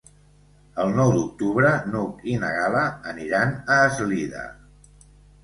El nou d'octubre n'Hug i na Gal·la aniran a Eslida.